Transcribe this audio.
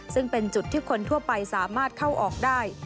ซึ่งเป็นจุดที่คนทั่วไปสามารถเข้าออกได้